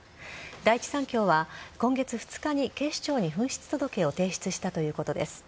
第一三共は、今月２日に警視庁に紛失届を提出したということです。